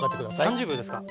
３０秒ですか。